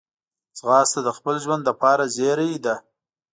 ځغاسته د خپل ژوند لپاره زېری ده